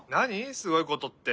すごいことって。